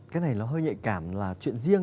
cái này nó hơi nhạy cảm là chuyện riêng